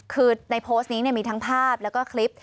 คือในโพสต์นี้มีทั้งภาพแล้วก็คลิป